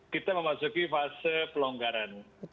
kita memasuki fase pelonggaran